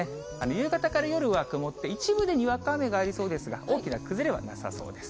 夕方から夜は曇って、一部でにわか雨がありそうですが、大きな崩れはなさそうです。